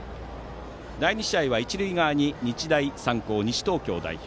第２試合は一塁側に日大三高西東京代表。